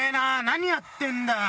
何やってんだよ